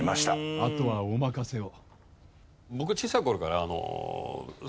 あとはお任せを。